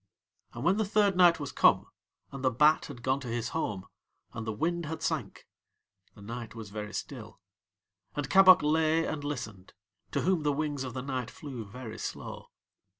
And when the third night was come, and the bat had gone to his home, and the wind had sank, the night was very still. And Kabok lay and listened, to whom the wings of the night flew very slow.